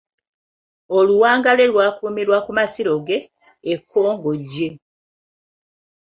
Oluwanga lwe lwakuumirwa ku masiro ge, e Kkongojje.